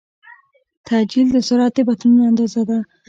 تعجیل د سرعت د بدلون اندازه ده.